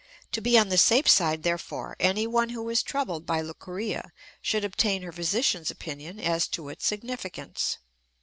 To be on the safe side, therefore, anyone who is troubled by leucorrhea should obtain her physician's opinion as to its significance.